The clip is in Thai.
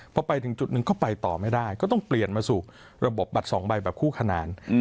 พอไปถึงจุดหนึ่งก็ไปต่อไม่ได้ก็ต้องเปลี่ยนมาสู่ระบบบัตรสองใบแบบคู่ขนาด